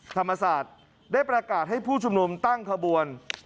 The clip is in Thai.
ธรรมศาสตร์ได้ประกาศให้ผู้ชุมนุมตั้งขบวน